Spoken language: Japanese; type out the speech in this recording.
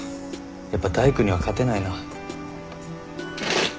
やっぱ大工には勝てないな。